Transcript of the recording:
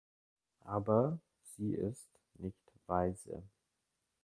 Aber sie ist nicht weise.